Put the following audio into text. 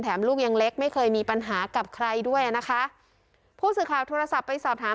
ลูกยังเล็กไม่เคยมีปัญหากับใครด้วยอ่ะนะคะผู้สื่อข่าวโทรศัพท์ไปสอบถาม